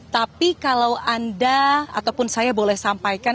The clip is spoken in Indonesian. tapi kalau anda ataupun saya boleh sampaikan